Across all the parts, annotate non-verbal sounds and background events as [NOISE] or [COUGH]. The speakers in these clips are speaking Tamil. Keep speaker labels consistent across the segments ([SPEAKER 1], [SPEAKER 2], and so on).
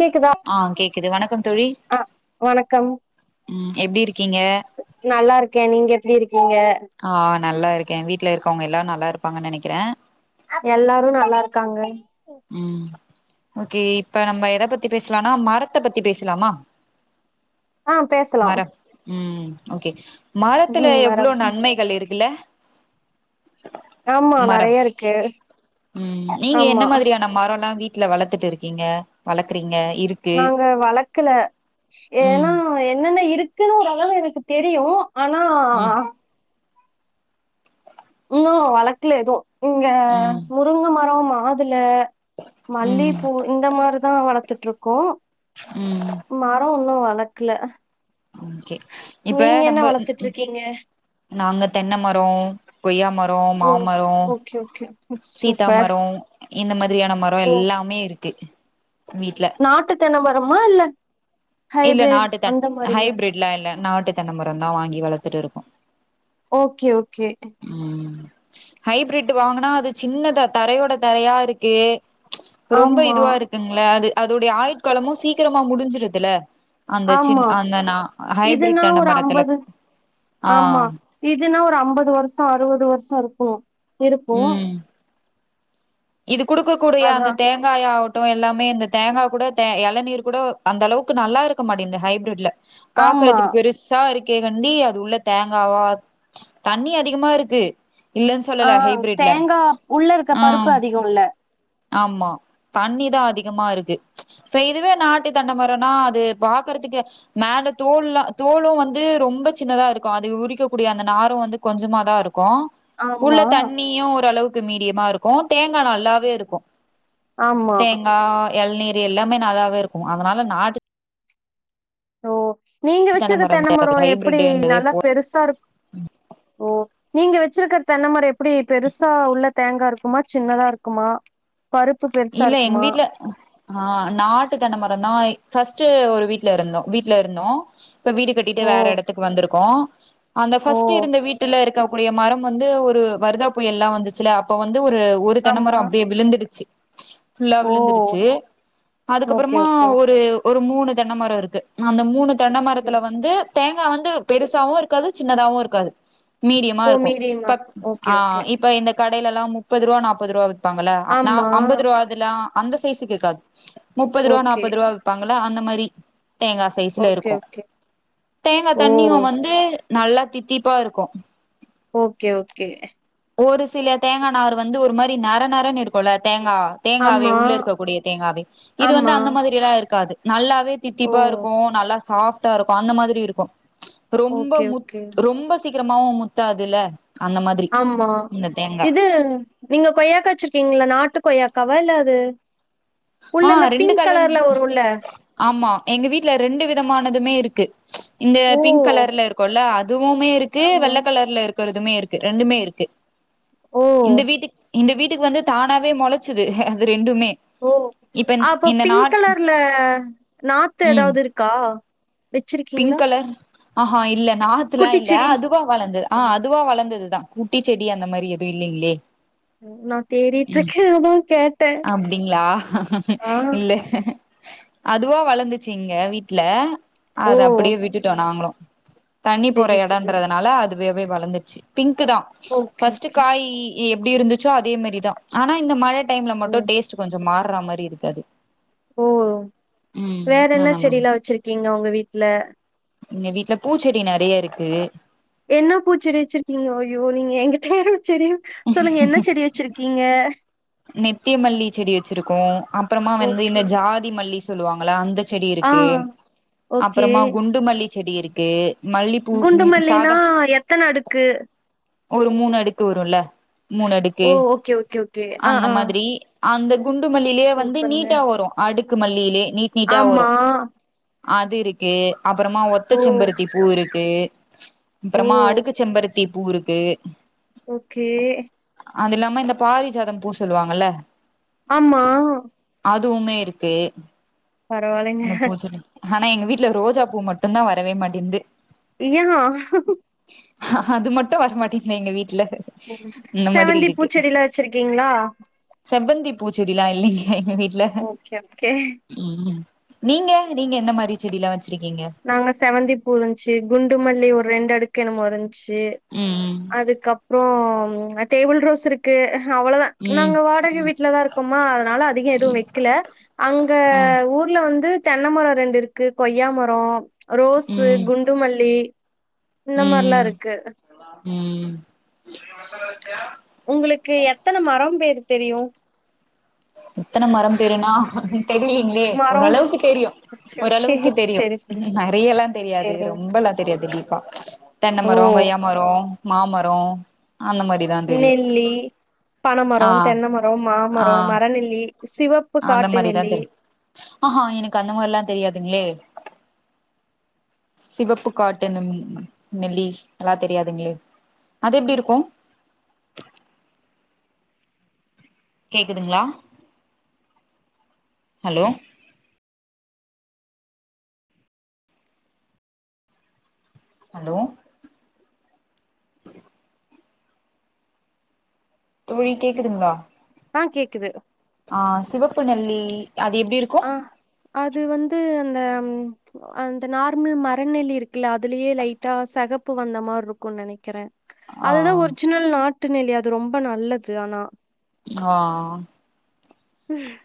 [SPEAKER 1] கேக்குதா
[SPEAKER 2] ஆ கேக்குது வணக்கம்
[SPEAKER 1] ஆஹ் வணக்கம்
[SPEAKER 2] உம் எப்டி இருக்
[SPEAKER 1] நல்லா இருக்கே நீங்க எப்டி இருக்
[SPEAKER 2] ஆஹ் நல்லா இருக்கே வீட்ல இருக் கவுங்க எல்லா நல்லா இருப்பாங்கனு நெனைக்கிறே
[SPEAKER 1] எல்லாரு நல்லாருக்காங்க
[SPEAKER 2] உம் ஓகே இப்ப நம்ம எத பத்தி பேசலானா மரத்த பத்தி பேசலாமா
[SPEAKER 1] ஆஹ் பேசலா
[SPEAKER 2] உம் ஓகே மரத்துல
[SPEAKER 1] ம்
[SPEAKER 2] எவ்ளோ
[SPEAKER 1] மேடம்
[SPEAKER 2] நன்மைகள் இருக்குல
[SPEAKER 1] ஆமா
[SPEAKER 2] மரம்
[SPEAKER 1] நெறைய இருக்கு ஆமா
[SPEAKER 2] மரொலா வீட்ல வளத்துட்டு இருக்கீங்க வளக்குறீங்
[SPEAKER 1] நாங்க வளக்கல ஏன்னா
[SPEAKER 2] ம்
[SPEAKER 1] என்னென்ன இருக் க்குன்னு ஒரு அளவு எனக்கு தெரியு ஆனா
[SPEAKER 2] உம்
[SPEAKER 1] உன்னோ வளக்கல எதும் இங்க
[SPEAKER 2] ம்
[SPEAKER 1] முருங்க மரோ மா மாதுல
[SPEAKER 2] ம்
[SPEAKER 1] மல்லிப்பூ இந்த மாரிதான் வள த்துட்டு இருக்கோம்
[SPEAKER 2] ம்
[SPEAKER 1] மரோ ஒன்னும் வ வளக்கல
[SPEAKER 2] ஓகே இப்ப
[SPEAKER 1] நீங்க என்ன
[SPEAKER 2] நம்ப
[SPEAKER 1] வளத்துட்டு இருக்கீங்க
[SPEAKER 2] நாங்க தென்ன மரம் கொய்யா மரம்
[SPEAKER 1] ஓ
[SPEAKER 2] மாமரம்
[SPEAKER 1] ஓகே ஓகே சூப்பர்
[SPEAKER 2] சீதாமரம் இந்த மாரி மாதிரியான மரம் எல்லாமே இருக் கு
[SPEAKER 1] நாட்டுத் தென்னமரமா இல்ல
[SPEAKER 2] இல்ல
[SPEAKER 1] ஹைபிரிட்
[SPEAKER 2] நாட்டுகன்
[SPEAKER 1] அந்த மாரிங்க
[SPEAKER 2] ஹைபிரேட்லா இல்ல நாட்டு தென்ன மரம் ரம் தான் வாங்கி வளத்துட்டு இருக்கோம்
[SPEAKER 1] ஓகே ஓகே
[SPEAKER 2] ஹைபிரிட் வாங்குனா அது சின்னதா தரையோட தரையா இருக்கு ச் ரொம்ப
[SPEAKER 1] ஆமா
[SPEAKER 2] இதுவா இருக்குங்கள அது அதோடைய ஆயுட்காளமு சீக்கிரமா முடிஞ்சுருதுல
[SPEAKER 1] ஆமா
[SPEAKER 2] ஹைபிரிட்
[SPEAKER 1] இதுனா
[SPEAKER 2] தென்ன
[SPEAKER 1] ஒரு
[SPEAKER 2] மரத்துல
[SPEAKER 1] அம்பது
[SPEAKER 2] ஆ
[SPEAKER 1] ஆமா இதுனா ஒரு அம்பது வருஷோ அறுவது வருஷ் ஷொ இருக்கூ இருக்கூ
[SPEAKER 2] ம் இது குடுக்கக்கூடிய அந்த தேங்காயாவு ட்டோ எல்லாமே இந்த தேங்கா கூட தே எளநீர் கூட அந்த அளவுக்கு நல்லா இருக்க மாட்டிங்குது ஹைபிரிட்ல
[SPEAKER 1] ஆமா
[SPEAKER 2] பாக்குறதுக்கு பெருச்சா இருக் கேகண்டி அது உள்ள தேங்காவா தண்ணி அதிகமா இருக்கு இல்லன்னு சொல்லல
[SPEAKER 1] ஆஹ்
[SPEAKER 2] ஹைபிரிட்ல
[SPEAKER 1] தேங்கா உள்ள இருக்க
[SPEAKER 2] ஆ
[SPEAKER 1] பருப்பு அதிகொல்ல
[SPEAKER 2] ஆமா தண்ணிதா அதிகமா இருக்கு ச இதுவே நாட்டு தென்ன மரோனா அது பாக்குறதுக்கு மேல தோல்லா தோலு வந்து ரொம்ப சின்னதா இருக்கு அது உரிக்கக்கூடிய அந்த நாறு வந்து கொஞ்சமாதா இருக் கூ உள்ள
[SPEAKER 1] ஆமா
[SPEAKER 2] தண்ணியு ஓரளவுக் கு மீடியமா இருக்கு தேங்கா நல்லாவே இருக் கு
[SPEAKER 1] ஆமா
[SPEAKER 2] தேங்கா எளநீர் எல்லாமே நல்லாவே இருக்கூ அதனால நாட்டு
[SPEAKER 1] ஓ நீங்க வெச்சது தென்ன மரோ எப்டி நல்லா பெருசா இருக்
[SPEAKER 2] உம்
[SPEAKER 1] ஒ நீங்க வெச்சிருக்குற தென்னமரோ எப்டி பெருசா உள்ள தேங்கா இருக்குமா சின்னதா இருக்குமா பருப்பு பெருசா
[SPEAKER 2] இல்ல எங்க
[SPEAKER 1] இருக்குமா
[SPEAKER 2] வீட்டுல ஆஹ் நாட்டு தென்ன மர தா ஃபஸ் ட்டு ஒரு வீட்ல இருந்தோ வீட்ல இருந்தோ இப்ப வீடு கட்டிட்டு
[SPEAKER 1] ஓ
[SPEAKER 2] வேற எடத்துக்கு வந்துருக்கோ ஆ [UNINTELLIGIBLE] அந்த
[SPEAKER 1] ஓ
[SPEAKER 2] ஃபஸ்ட் இருந்த வீட்டுல இருக் கக்கூடிய மரம் வந்து ஒரு வருதா புயல்லா வந்துச்சுல்ல அப்ப வந் து ஒரு ஒரு
[SPEAKER 1] ஆமா
[SPEAKER 2] தென்னமரொ அப்டியே விழுந்துடுச்சு ஃபுல்லா
[SPEAKER 1] ஓ
[SPEAKER 2] விழுந்துருச்சு
[SPEAKER 1] ஓகே
[SPEAKER 2] அதுக்கப்புறமா
[SPEAKER 1] ஓகே
[SPEAKER 2] ஒரு ஒரு மூணு தென்னமரொ இருக்கு அந்த மூணு
[SPEAKER 1] ஓகே
[SPEAKER 2] தென்னனமரத்துல வந்து தேங்க் இப்ப வந்து பெருசாவு இருக்காது சின்னதாவு இருக்காது மீடியமா
[SPEAKER 1] ஓ
[SPEAKER 2] இருக்கு
[SPEAKER 1] மீடியமா
[SPEAKER 2] ப
[SPEAKER 1] இருக்கும். Okay, okay.
[SPEAKER 2] ஆஹ் இப்ப இந்த கடைலல்லா முப்பது ரூபா நாப்பது ருபா வி ப்பாங்களா நா
[SPEAKER 1] ஆமா.
[SPEAKER 2] துல்லாம் அந்த சைசிக்கு இருக்காது முப்பது ரூபா
[SPEAKER 1] ஓகே,
[SPEAKER 2] நாற்பது ரூபா விப்பாங்க. ல அந்த மாரி தேங்காய் சைஸ்ல
[SPEAKER 1] ஓகே,
[SPEAKER 2] இருக்கும்
[SPEAKER 1] ஓகே.
[SPEAKER 2] தேங்காய்
[SPEAKER 1] ஓ!
[SPEAKER 2] தண்ணியும் வந்து நல்லா தித்திப்பா இருக்கும்
[SPEAKER 1] ஓகே ஓகே
[SPEAKER 2] ஒரு சில தேங்காய் நார் வந்து ஒரு மாரி நர நர இருக்கும்ல தேங்காய தேங்கா தேங்காவே
[SPEAKER 1] ஆமா,
[SPEAKER 2] உள்ள இருக்கக்கூடிய தேங்காவே இது வந்து
[SPEAKER 1] ஆமா.
[SPEAKER 2] அந்த மாதிரி எல்லாம் இருக்காது நல்லா
[SPEAKER 1] ஓ!
[SPEAKER 2] தித்திப்பா இருக்கும் நல்லா சாப் இருக்கும் அந்த மாதிரி இருக்கும் ரொம்ப
[SPEAKER 1] ஓகே,
[SPEAKER 2] மு
[SPEAKER 1] ஓகே.
[SPEAKER 2] ரொம்ப சி சீக்கிரமாவும் முத்தாதுல அந்த மாதிரி
[SPEAKER 1] ஆ
[SPEAKER 2] இந்த தேங்கா
[SPEAKER 1] இது நீங்க கொய்யாக்காச்சிருக்கீங்கள நாட்டு கொய்யா கா இல்ல அது உள்ள
[SPEAKER 2] ஆ
[SPEAKER 1] இந்த
[SPEAKER 2] ரெண்டு
[SPEAKER 1] பிங்க்
[SPEAKER 2] கலர்
[SPEAKER 1] கலர்ல வருல
[SPEAKER 2] ஆமா எங்க வீட்ல ரெண்டு விதமானதுமே இருக்கு இந்த
[SPEAKER 1] ஓ!
[SPEAKER 2] பிங்க் கலர்ல இருக்குல அதுவுமே இருக்கு
[SPEAKER 1] ஆமா.
[SPEAKER 2] வெள்ளை கலர்ல இருக் கருதுமே இருக்கு ரெண்டுமே இருக்கு
[SPEAKER 1] ஓ!
[SPEAKER 2] இந்த வீட்டுக் இந்த வீட்டுக்கு வந்து தானாவே மொளச்சுது அது ரெண் ரண்டுமே
[SPEAKER 1] ஓ! அப்போ பிங்க் கலர்ல நாத்து
[SPEAKER 2] ம்
[SPEAKER 1] ஏதாவது இருக்கா
[SPEAKER 2] பிங்க்
[SPEAKER 1] வச்சிருக்கீங்களா
[SPEAKER 2] கலர் ஆஹா இல்ல நாத்துலா இல்ல
[SPEAKER 1] குட்டிச்செடி?
[SPEAKER 2] அதுவா வளர்ந்தது ஆ அதுவா வளர்ந்ததுதான் ககுட்டிச் செடி அந்த மாரி எதுவும் இல்லைங்களே
[SPEAKER 1] நான் தேடிட்டு இருக்கே அதான் கேட்டே
[SPEAKER 2] அப்டிங்ளா இல்ல அதுவா வளர்ந்துச்சுங்க வீட்டுல அது
[SPEAKER 1] ஓ!
[SPEAKER 2] அப்படியே விட்டுட்டு நாங்களு தண்ணி போற
[SPEAKER 1] சரி, சரி.
[SPEAKER 2] இடன்றதுனால அது வெ வே வளந்துருச்சு பிங்க் க்கு தா
[SPEAKER 1] ஓகே,
[SPEAKER 2] ஃபஸ்ட்டு
[SPEAKER 1] ஓகே.
[SPEAKER 2] காயி எப்டி இருந்துச்சோ அதே மாரி தா ஆனா இந்த மழ டைம்ல மட்டு
[SPEAKER 1] ம்.
[SPEAKER 2] டேஸ்ட்டு கொஞ்சோ மா ரா மரி ப்டி இருக்காது
[SPEAKER 1] ஓ வேற என்ன
[SPEAKER 2] அந்த மாரி
[SPEAKER 1] செடியிலா வச்சிருக்கீங் க உங்க வீட்ல
[SPEAKER 2] எங்க வீட்டுல பூச்செடி நறையா இருக்கு
[SPEAKER 1] என்ன பூச்செடி வச்சிருக்கீங்க ஐயோ நீங்க எங்கிட்ட [UNINTELLIGIBLE] செடி சொல்லுங்க என்ன செடி வச்சிருக்கீங்க
[SPEAKER 2] நித்திய மல்லி செடி வச்சிருக்கோ அப்புறமா வந்து இந்த
[SPEAKER 1] ஓகே.
[SPEAKER 2] ஜாதி மல் ல்லி சொல்லுவாங்களா அந்த செடி
[SPEAKER 1] ஆ,
[SPEAKER 2] இருக்கு அப்புறமா குண்டு மல்லி செடி இருக்கு மல்லிப்பூ ம்
[SPEAKER 1] குண்டுமல்லினா
[SPEAKER 2] சாதா
[SPEAKER 1] எத்தன அடுக்கு
[SPEAKER 2] ஒரு மூணு அடுக்கு வரும்ல மூணு
[SPEAKER 1] ஓ
[SPEAKER 2] அடுக்கு
[SPEAKER 1] ஓகே ஓகே ஓகே ஆ,
[SPEAKER 2] அந்த
[SPEAKER 1] ஆ.
[SPEAKER 2] மாத்ரி அந்த குண்டுமல்லிலியே வந்து
[SPEAKER 1] சூப்பருங்க.
[SPEAKER 2] நீட்டா வரு அடுக் க்கு மல்லிலே நீட் நீட்டா வரோ
[SPEAKER 1] ஆமா.
[SPEAKER 2] அது இருக்கு அப்றமா ஒத்த
[SPEAKER 1] ஓ!
[SPEAKER 2] செம்பருத்தி பூ இருக் கு
[SPEAKER 1] ஓ!
[SPEAKER 2] அப்றமா அடுக்கு செம்பருத் தி பூ இருக்கு
[SPEAKER 1] ஓகே
[SPEAKER 2] அது இல்லாம இந்த பாரிஜாத பூ சொல்லுவாங்கல்ல
[SPEAKER 1] ஆமா
[SPEAKER 2] அதுவுமே இருக்கு
[SPEAKER 1] பரவால்லங்க
[SPEAKER 2] இந்த பூச்செடி ஆனா எங்க வீட்டுல ரோஜா பூ மட்டு தா வரவே மாட்டேங்து
[SPEAKER 1] ஏன்?
[SPEAKER 2] அது மட்டு வரமாட்டிங்து எங்க வீட்
[SPEAKER 1] ஓ செவந்தி பூச்செடில்லா வச்சிருக்கீங்களா
[SPEAKER 2] செவ்வந்தி பூச்செடிலா இல்லிங்க எங்க வீட்
[SPEAKER 1] ஓகே ஓகே
[SPEAKER 2] நீங்க நீங்க என்ன மாரி செடிலா வச்சி
[SPEAKER 1] நாங்க செவ்வந்திப்பூ இருந்துச்சு குண்டுமல்லி ஒரு ரெண்டு அடுக் க்கு என்னமோருந் ச்சி
[SPEAKER 2] ம்
[SPEAKER 1] அதுக்கப்றோம் அ டேபிள் ரோஸ் இருக்கு அவ்வளதா
[SPEAKER 2] ம்
[SPEAKER 1] நாங்க வாடகை வீட்ல தா இருக்கோமா அதனால அதிகம் எதுவு வெக்கல அங்க
[SPEAKER 2] ம்
[SPEAKER 1] ஊர்ல வந்து தென்னமரம் ரெண்டு இருக்கு கொய்யாமர ரோ ரோஸ்சு
[SPEAKER 2] ம்
[SPEAKER 1] குண்டுமல்லி இந்த மாரிலாம்
[SPEAKER 2] ம்
[SPEAKER 1] இருக்கு
[SPEAKER 2] ம்
[SPEAKER 1] உங்களுக்கு எத்தன மரம் பேரு தெரியு
[SPEAKER 2] எத்தன மரம் பேருனா தெரிலீங்களே
[SPEAKER 1] மரோ
[SPEAKER 2] ஓரளவுக்கு தெரியு
[SPEAKER 1] ஓகே ஓகே
[SPEAKER 2] ஓரளவுக்கு தெரியு
[SPEAKER 1] செரி செரி
[SPEAKER 2] நெறையல்லா தெரியாது
[SPEAKER 1] செரிங்
[SPEAKER 2] ரொம்பெல்லா தெரியாது டி கா தென்ன
[SPEAKER 1] ஓ
[SPEAKER 2] மரம் கொய்யா மரம் மாமரோ அந்த மாரிதா தெரியு
[SPEAKER 1] நெல்லி
[SPEAKER 2] ஆ
[SPEAKER 1] பனமரோ தென்ன மரோ
[SPEAKER 2] ஆ
[SPEAKER 1] மாமரோ மர நெல்லி
[SPEAKER 2] அந்த மாரிதா தெரியு ஆஹா எனக்கு அந்த மாரிலாந் தெரியாதுங்களே சிவப்பு காட்டுன்னந் நெல்லி எல்லா தெரியாதுங்களே அது எப்டி இருக்கு கேக்குதுங்களா ஹலோ ஹலோ தோழி கேக்குதுங்களா
[SPEAKER 1] ஆ கேக்குது
[SPEAKER 2] ஆ சிவப்புநெல்லி
[SPEAKER 1] ஆ அது வந்து அந்த ம் அந்த நார்மல் மரநெல்லி இருக்குல்ல அதுலயே லைட்டா செகப்பு வந்த மாரி இருக்குனு நெனைக்கிறே அதுதா
[SPEAKER 2] ஆ
[SPEAKER 1] ஒரிஜினல் நாட் ட்டுநெலி அது ரொம்ப நல்லது ஆனா
[SPEAKER 2] ஆ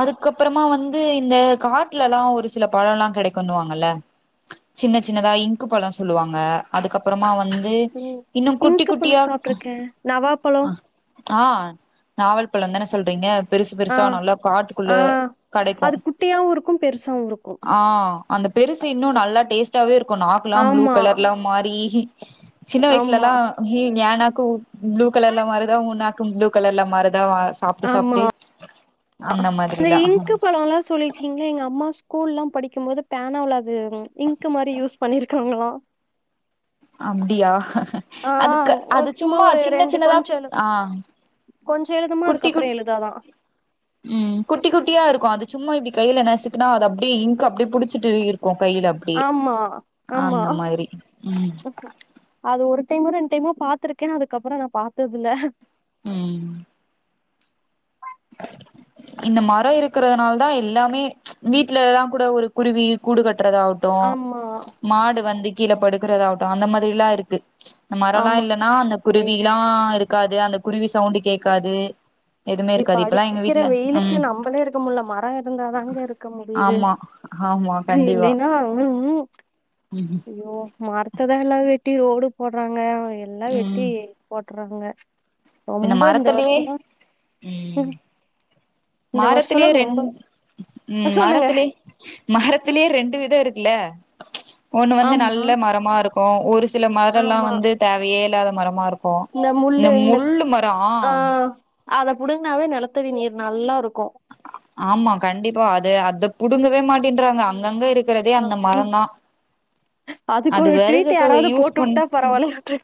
[SPEAKER 2] அதுக்கப்றம் அ வந்து இந்த காட்லலா ஒரு சில பழொல்லா கிடைக்குண்ணுவாங்கல சின்ன சின்னதா இங்க்கு பழொ சொல்லுவாங்க அதுக்கப்றமா வந்
[SPEAKER 1] உம் இங்க்கு பழொ சாப்ட்ருக்கே நவாப்பழோ
[SPEAKER 2] ஆ நாவல் பழம் தான சொல்றீங்க பெருசு
[SPEAKER 1] ஆ
[SPEAKER 2] பெருசா நல்லா காட்டுக்குள்ள
[SPEAKER 1] ஆ
[SPEAKER 2] கெடைக்கு
[SPEAKER 1] அது குட்டியாவு இருக்கும் பெருசாவு இருக்கும்
[SPEAKER 2] ஆ அந்த பெருசு இன்னு நல்லா டேஸ்ட்டாவே இருக் கு நாக்கலாம் ப்ளூ
[SPEAKER 1] ஆமா
[SPEAKER 2] கலர்ல மாறி சின்ன
[SPEAKER 1] ஆமா
[SPEAKER 2] வயசுலல்லா இ ஞானப் கோ ப்ளூ கலர்ல மாருதா உ நாக்கும் புளூ கலர்ல மாறு த வ சாப்ட்டு சாப்ட்டு
[SPEAKER 1] அந்த இன்கு பழம்ல்லாம் சொல்லிருக்கீங்களா எங்க அம்மா ஸ்கூல்லாம் படிக்கும்போது பேனாவ்ளது ம் இங்கு மாரி யூஸ் பண்ணிருக்காங்களா
[SPEAKER 2] அப்டியா அதுக்கு
[SPEAKER 1] ஆஹ்
[SPEAKER 2] அது
[SPEAKER 1] ஒரு சும்மா ஒரு
[SPEAKER 2] சின்ன
[SPEAKER 1] ரெண்டு
[SPEAKER 2] சின்னதா
[SPEAKER 1] கொஞ்சம் எழுதும்
[SPEAKER 2] ஆ
[SPEAKER 1] போது கொஞ்சம் எழுதமா அதுக்கப்புறம் எழுதாதான்
[SPEAKER 2] உம் குட்டி குட்டியா இருக்கு அது சும்மா இப்டி கைல நசுக்குனா அது அப்டியே இங்க்கு அப்டி புடிச்சிட்டு இரு
[SPEAKER 1] ஆமா ஆமா
[SPEAKER 2] மாதிரி ம்
[SPEAKER 1] அது ஒரு டைமோ ரெண்டு டைமோ பா்த்துருக்கே அதுக்கப்றொ நா பாத்ததில்ல
[SPEAKER 2] உம் இந்த மரொ இருக்கிறதுனால தா எல்லாமே வீட்லலா கூட ஒரு குருவி கூடுகட் றதாகட்டு
[SPEAKER 1] ஆமா
[SPEAKER 2] மாடு வந்து கீழ படுக்றதாவட்டு அந்த மாதிரிலா இருக்கு இந்த மரொல்லா
[SPEAKER 1] ஆமா
[SPEAKER 2] இல்லனா அந்த
[SPEAKER 1] வெய்
[SPEAKER 2] குருவிய்ல்லா இருக்காது து அந்த குருவி சவுண்ட்டு கேக்காது எத்
[SPEAKER 1] இப்ப அடிக்கிற வெயிலுக்கு நம்மளே இருக்க முடில மரொ இருந்தாதாங்க இருக்க முடியுது
[SPEAKER 2] ஆமா ஆமா கண்டிப்பா
[SPEAKER 1] இல்லைன்னா ம் ம்
[SPEAKER 2] ம்
[SPEAKER 1] அய்யோ மரத்ததா எல்லா வெட் ட்டி ரோடு போட்றாங்க எல்லா வெட்டி
[SPEAKER 2] ம்
[SPEAKER 1] போட் ட்றாங்க ரொம்பொ இந்த வருஷ்ஷோ உம்
[SPEAKER 2] மரத்திலயே ரெண்
[SPEAKER 1] அ
[SPEAKER 2] உம்
[SPEAKER 1] சொல்லுங்க
[SPEAKER 2] மரத்திலே மரத்திலயே ரெண்டு விதம் இருக் குல்ல ஒண்ணு வந்து
[SPEAKER 1] ஆமா
[SPEAKER 2] நல்ல மரமா இரு க்கு சில மரம்லாம்
[SPEAKER 1] ஆமா
[SPEAKER 2] வந்து தேவையே இல்லாத மரமா இருக்கும் இந்த முள்ளு மரம்
[SPEAKER 1] ஆ அத புடுங்கனாவே நிலத்தடி நீர் நல்லா இருக்கும்
[SPEAKER 2] ஆமா கண்டிப்பா அது அத புடுங்கவே மா ட்டேன்ங்க அங்கங்க இருக்கிறதே அந்த மர
[SPEAKER 1] ஆமா
[SPEAKER 2] தான்
[SPEAKER 1] அதுக்கு
[SPEAKER 2] அது
[SPEAKER 1] ஒரு ட்வீட்
[SPEAKER 2] வெறகுக
[SPEAKER 1] யாராவது
[SPEAKER 2] யூஸ்
[SPEAKER 1] போட்டு விட்டா
[SPEAKER 2] பண்ஹ
[SPEAKER 1] பரவாயில்லன்ட்டு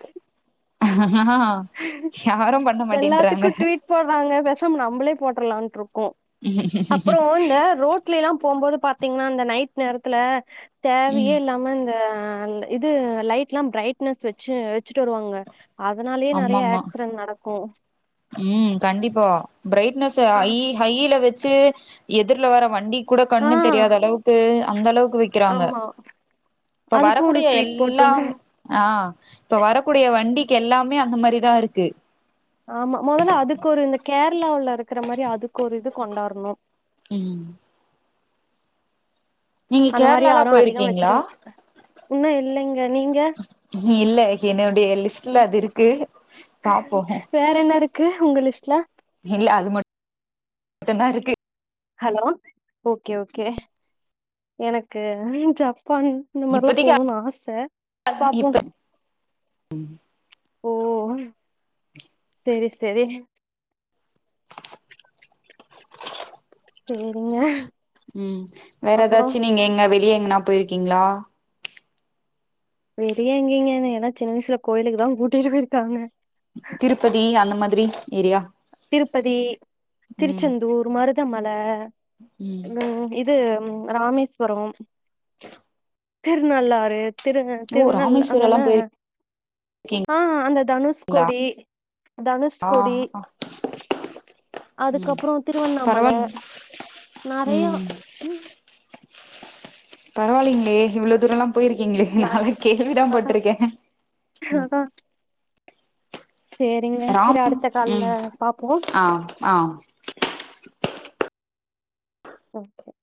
[SPEAKER 2] யாரும் பண்ண மாட்டேன்றாங்க
[SPEAKER 1] ம நம்ளே போட்டுரலாம் க்கும் அப்புறம் இந்த ரோட்ல எல்லாம் போகும்போது பாத்தீங்கன்னா இந்த நைட் நேரத்துல
[SPEAKER 2] ம்
[SPEAKER 1] தேவையே இல்லாம இங்க அ இது லைட்லாம் பிரைட்னஸ் வச்சு வச்சுட்டு வருவாங்க அதனாலயே நெறையா ஆக்சிடென்ட் நடக்கும்
[SPEAKER 2] உம் கண்டிப்பா பிரைட்னெஸ் ஆ ஹை ஹைல வ ச்சே எதிர்ல வர வண்டி கூட
[SPEAKER 1] ஆ
[SPEAKER 2] கண்ணு தெரியாத அளவுக்கு அந்த அளவுக்கு வைக்கிறாங்க
[SPEAKER 1] ஆமா
[SPEAKER 2] இப்ப
[SPEAKER 1] அதுக்கும் ஒரு
[SPEAKER 2] வரக்கூடிய
[SPEAKER 1] ட்வீட்
[SPEAKER 2] எல்லாம்
[SPEAKER 1] போட்டுடணும்
[SPEAKER 2] ஆ இப்ப வரக்கூடிய வண்டிக் கு எல்லாமே அந்த மாரிதா இருக்கு
[SPEAKER 1] ஆமா மொதல்ல அதுக்கு ஒரு இந்த கேர் இலா இருக்கிற மாரி அதுக்கு ஒரு இது கொண்டாரணு
[SPEAKER 2] உம் நீங்க
[SPEAKER 1] அந்த
[SPEAKER 2] கேரளாலா போயிருக்கீங்களா
[SPEAKER 1] இன்னு இல்லைங்
[SPEAKER 2] இல்ல என்னுடைய லிஸ்ட்ல அது இருக்கு பாப்போம்
[SPEAKER 1] ட்ல
[SPEAKER 2] இல்ல அது மட் டும்தா இருக்கு
[SPEAKER 1] ஹலோ ஓகே ஓகே எனக்கு ஜப் பான் இந்த மாரிலாம்
[SPEAKER 2] இப்பதைக்கு
[SPEAKER 1] போணும்னு ஆசை பாப்போம்
[SPEAKER 2] இப்ப
[SPEAKER 1] ஓ சேரி சேரி ல்லீங்க
[SPEAKER 2] உம் வேற ஏதாச்சு நீங்க எங்க வெ எங்கனா போயிருக்கீங்களா
[SPEAKER 1] வெளிய எங்கீங்க எதா சின்ன வயிசில கோயிலுக்கு தா கூட்டிட்டு போயிருக்காங்க
[SPEAKER 2] திருப்பதி அந்த மாத் ரி ஏரியா
[SPEAKER 1] திருப்பதி
[SPEAKER 2] ம்
[SPEAKER 1] திருச்செந்தூர் மருத் மல
[SPEAKER 2] ம்
[SPEAKER 1] உம் இது உங் ராமேஸ்வரம் திருநள்ளாறு திரு
[SPEAKER 2] ஓ
[SPEAKER 1] திருநெல்
[SPEAKER 2] ராமேஸ்வரல்லா
[SPEAKER 1] அதென்ன
[SPEAKER 2] போயிருக்கீங்களா
[SPEAKER 1] ஆஹ அந்த தனுஷ்கோடி தனுஷ்கோடி
[SPEAKER 2] ம்
[SPEAKER 1] அதுக்கப்புறோ திருவண்ணாமல
[SPEAKER 2] பரவால்
[SPEAKER 1] நெறையா
[SPEAKER 2] ம்
[SPEAKER 1] உம்
[SPEAKER 2] பரவாயில்லைங்களே இவ்வளோ தூரலாம்
[SPEAKER 1] ம்,
[SPEAKER 2] போயிருக்கீங்களே
[SPEAKER 1] நிறைய
[SPEAKER 2] நாலா கேள்விதா
[SPEAKER 1] அதான்
[SPEAKER 2] பட்டிருக்கே
[SPEAKER 1] செரிங்க செரி அடுத்த கால்ல
[SPEAKER 2] ம்
[SPEAKER 1] பாப்போம்.
[SPEAKER 2] ஆ ஆ
[SPEAKER 1] ஓகே